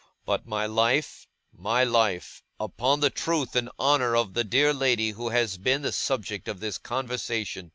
But my life my Life upon the truth and honour of the dear lady who has been the subject of this conversation!